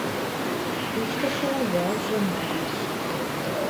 Куштышыла ялжы мадеш.